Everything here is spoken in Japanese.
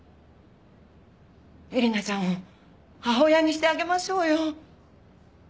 英玲奈ちゃんを母親にしてあげましょうよ。